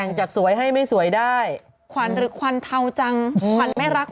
เติม๙๑๑จักรสวยให้ไม่สวยได้ความถือควันเทาจังเป็นแม่รัก